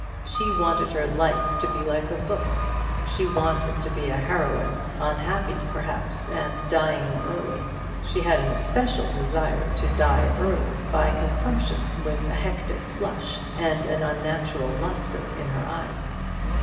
She wanted her life to be like her books; she wanted to be a heroine, unhappy perhaps, and dying early. She had an especial desire to die early, by consumption, with a hectic flush and an unnatural lustre in her eyes.